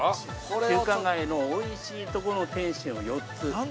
◆中華街のおいしいところの点心を４つ。